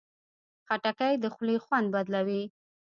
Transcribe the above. خټکی د خولې خوند بدلوي.